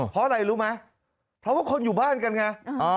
เพราะอะไรรู้ไหมเพราะว่าคนอยู่บ้านกันไง